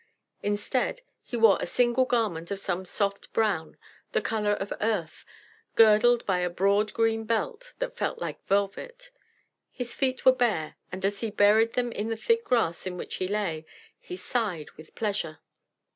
Instead, he wore a single garment of some soft brown, the colour of earth, girdled by a broad green belt that felt like velvet. His feet were bare, and as he buried them in the thick grass on which he lay, he sighed with pleasure.